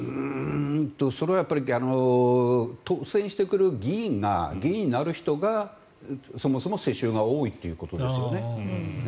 それはやっぱり当選してくる議員が議員になる人がそもそも世襲が多いということですよね。